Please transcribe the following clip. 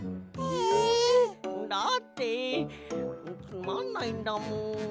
だってつまんないんだもん。